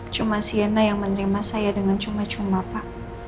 cuma sienna yang menerima saya dengan cuma cuma pak